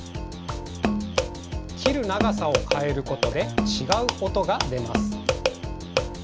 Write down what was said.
きるながさをかえることでちがうおとがでます。